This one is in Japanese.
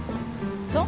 そう？